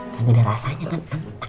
gak ada rasanya kan entah